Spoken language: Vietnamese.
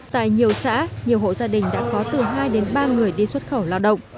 tại nhiều xã nhiều hộ gia đình đã có từ hai đến ba người đi xuất khẩu lao động